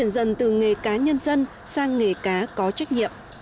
dần từ nghề cá nhân dân sang nghề cá có trách nhiệm